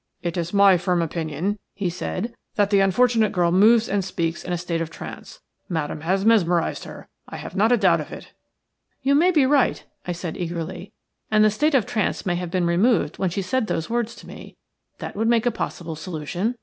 "It is my firm opinion," he said, "that the unfortunate girl moves and speaks in a state of trance. Madame has mesmerized her. I have not a doubt of it." "You may be right," I said, eagerly, "And the state of trance may have been removed when she said those words to me. That would make a possible solution.